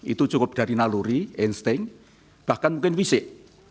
itu cukup dari naluri insting bahkan mungkin fisik